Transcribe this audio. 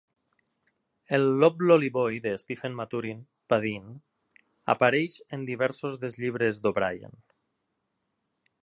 El loblolly boy de Stephen Maturin, Padeen, apareix en diversos dels llibres d'O'Brian.